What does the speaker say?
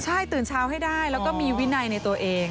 ใช่ตื่นเช้าให้ได้แล้วก็มีวินัยในตัวเอง